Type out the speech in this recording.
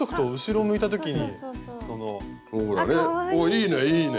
いいねいいね。